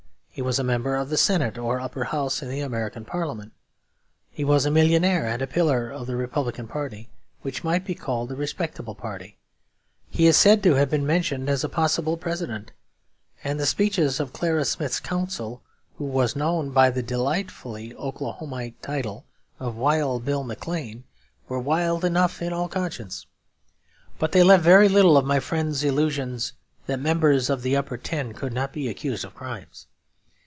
He was a member of the Senate or Upper House in the American Parliament; he was a millionaire and a pillar of the Republican party, which might be called the respectable party; he is said to have been mentioned as a possible President. And the speeches of Clara Smith's counsel, who was known by the delightfully Oklahomite title of Wild Bill McLean, were wild enough in all conscience; but they left very little of my friend's illusion that members of the Upper Ten could not be accused of crimes.